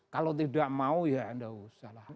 kalau tidak mau ya anda usah